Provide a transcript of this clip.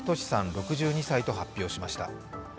６２歳と発表しました。